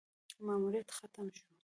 ماموریت ختم شو: